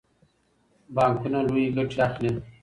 بانکونه لویې ګټې اخلي.